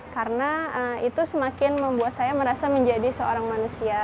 karena itu semakin membuat saya merasa menjadi seorang manusia